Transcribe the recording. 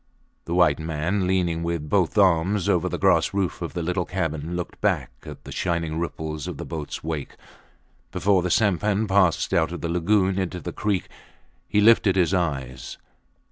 The white man, leaning with both arms over the grass roof of the little cabin, looked back at the shining ripple of the boats wake. Before the sampan passed out of the lagoon into the creek he lifted his eyes.